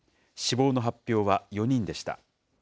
死亡の発表は４人でした。